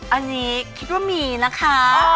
อันนี้คิดว่ามีนะคะ